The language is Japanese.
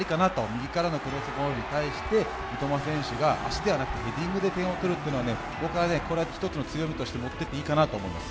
右からのクロスボールに対して三笘選手が足ではなくヘディングで点を取るというのはこれは１つの強みとして持っていいかなと思います。